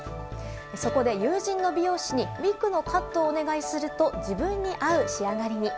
そこで、友人の美容師にウィッグのカットをお願いすると自分に合う仕上がりに。